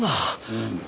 うん。